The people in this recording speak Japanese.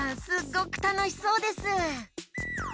すっごくたのしそうです。